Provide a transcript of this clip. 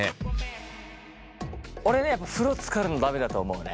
俺ねやっぱ風呂つかるの駄目だと思うね。